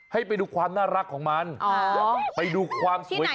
ให้ไปดูความน่ารักของมันไปดูความสวยงาม